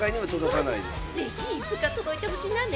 ぜひいつか届いてほしいと思